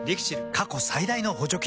過去最大の補助金も